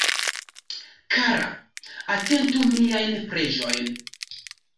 Kara, atentu miajn preĝojn.